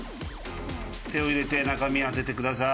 手を入れて中身当ててください。